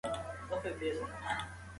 انا په لوړ غږ پرې چیغه کړه.